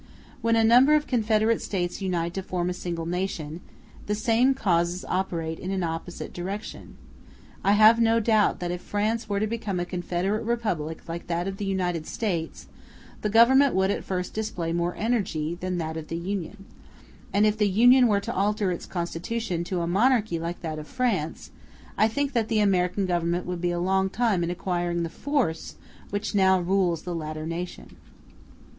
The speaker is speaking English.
When a number of confederate states unite to form a single nation, the same causes operate in an opposite direction. I have no doubt that if France were to become a confederate republic like that of the United States, the government would at first display more energy than that of the Union; and if the Union were to alter its constitution to a monarchy like that of France, I think that the American Government would be a long time in acquiring the force which now rules the latter nation.